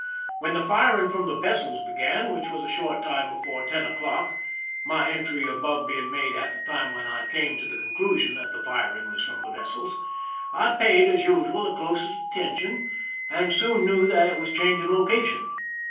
When the firing from the vessels began, which was a short time be fore ten o'clock (my entry above being made at the time when I came to the conclusion that the firing was from vessels), I paid, as usual, the closest atten tion, and soon knew that it was changing location.